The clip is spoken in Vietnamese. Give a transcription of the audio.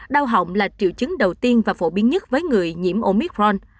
đau họng là triệu chứng đầu tiên và phổ biến nhất với người nhiễm omicron